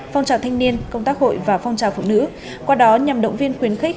phong trào thanh niên công tác hội và phong trào phụ nữ qua đó nhằm động viên khuyến khích